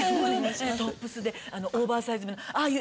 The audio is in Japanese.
トップスでオーバーサイズのああいう